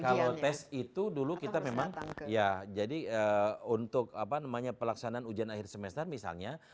kalau tes itu dulu kita memang ya jadi untuk pelaksanaan ujian akhir semester misalnya